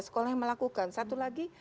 sekolah yang melakukan satu lagi